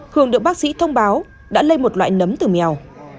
hương được bác sĩ thông báo đã lây một loại nấm từ mèo